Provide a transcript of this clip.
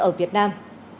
ở việt nam